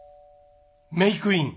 メークイン。